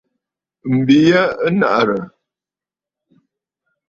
M̀bi ya ɨ nàʼàrə̀.